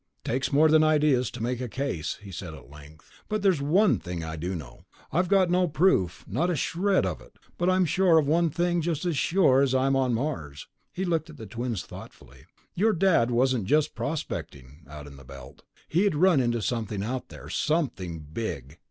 "Takes more than ideas to make a case," he said at length. "But there's one thing I do know. I've got no proof, not a shred of it, but I'm sure of one thing just as sure as I'm on Mars." He looked at the twins thoughtfully. "Your dad wasn't just prospecting, out in the Belt. He'd run onto something out there, something big."